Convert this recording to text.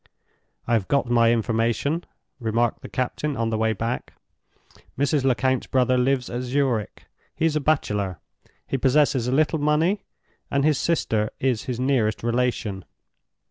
"I have got my information," remarked the captain on the way back. "Mrs. Lecount's brother lives at Zurich. He is a bachelor; he possesses a little money, and his sister is his nearest relation.